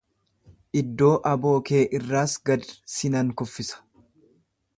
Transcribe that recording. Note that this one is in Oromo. Iddoo aboo kee irraas gad si nan kuffisa.